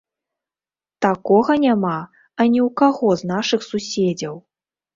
Такога няма ані ў каго з нашых суседзяў!